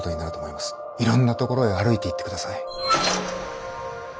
いろんなところへ歩いていってください。